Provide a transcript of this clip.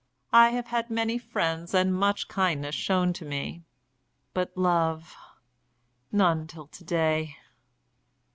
I have had many friends and much kindness shown to me, but love! none till to day."